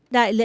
đại lễ vơ sát